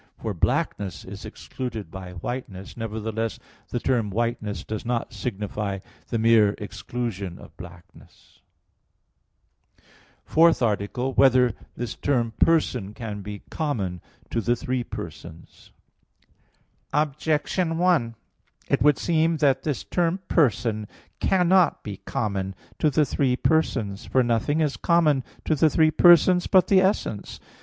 For blackness is excluded by whiteness; nevertheless, the term whiteness does not signify the mere exclusion of blackness. _______________________ FOURTH ARTICLE [I, Q. 30, Art. 4] Whether This Term "Person" Can Be Common to the Three Persons? Objection 1: It would seem that this term "person" cannot be common to the three persons. For nothing is common to the three persons but the essence.